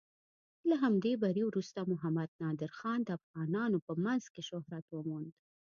له همدې بري وروسته محمد نادر خان د افغانانو په منځ کې شهرت وموند.